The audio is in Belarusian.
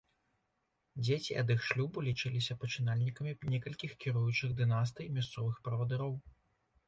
Дзеці ад іх шлюбу лічыліся пачынальнікамі некалькіх кіруючых дынастый мясцовых правадыроў.